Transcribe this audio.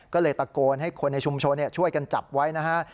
ก็เลยตะโกนให้คนในชุมชนช่วยกันจับไว้นะฮะ